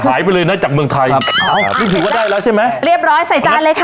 หายไปเลยนะจากเมืองไทยครับอ๋อเรียบร้อยใส่จานเลยค่ะ